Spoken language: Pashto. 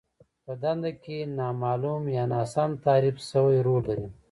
په دنده کې نامالوم يا ناسم تعريف شوی رول لرل.